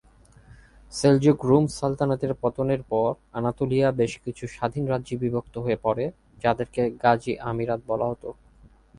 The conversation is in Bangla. সেলজুক রুম সালতানাতের পতনের পর আনাতোলিয়া বেশ কিছু স্বাধীন রাজ্যে বিভক্ত হয়ে পড়ে যাদেরকে গাজি আমিরাত বলা হত।